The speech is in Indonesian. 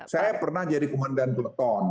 saya pernah jadi komandan beleton